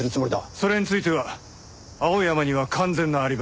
それについては青山には完全なアリバイが。